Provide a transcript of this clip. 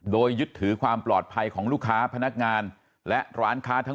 โดยยึดถือความปลอดภัยของลูกค้าพนักงานและร้านค้าทั้ง